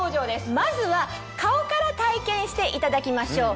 まずは顔から体験していただきましょう。